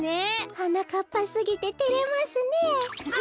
はなかっぱすぎててれますねえ。